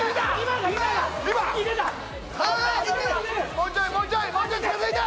もうちょいもうちょいもうちょい近づいて！